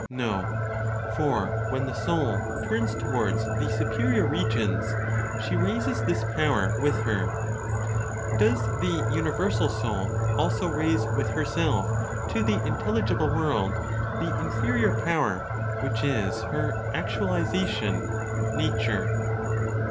No; for when the soul turns towards the superior regions, she raises this power with her. Does the universal (Soul) also raise with herself to the intelligible world the inferior power which is her actualization (nature)?